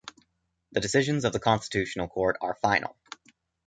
The decisions of the Constitutional Court are final.